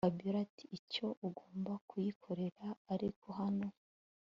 Fabiora ati icyo ugomba kuyikorera ariko hano